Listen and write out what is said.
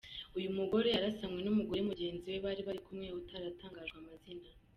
Uyu mugore yarasanywe n’ umugore mugenzi bari kumwe utatangajwe amazina.